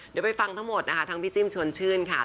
เดี๋ยวไปฟังทั้งหมดนะคะทั้งพี่จิ้มชวนชื่นค่ะ